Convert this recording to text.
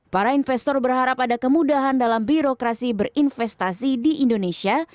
para investor berharap ada kemudahan dalam birokrasi berinvestasi di indonesia